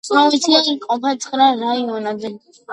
პროვინცია იყოფა ცხრა რაიონად.